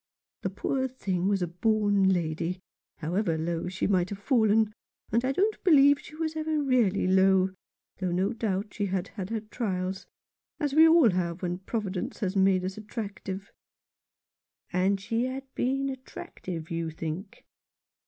"The poor thing was a born lady, however low she might have fallen ; and I don't believe she was ever really low, though no doubt she had had her trials, as we all have when Providence has made us attractive." " And she had been attractive, you think